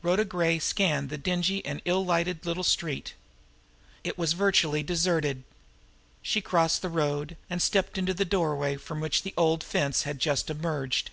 Rhoda Gray scanned the dingy and ill lighted little street. It was virtually deserted. She crossed the road, and stepped into the doorway from which the old "fence" had just emerged.